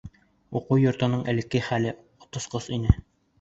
— Уҡыу йортоноң элекке хәле ҡот осҡос ине.